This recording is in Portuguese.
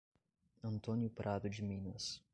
Antônio Prado de Minas